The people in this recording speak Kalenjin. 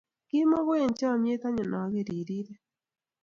Kimoko eng chamet nyun aker irire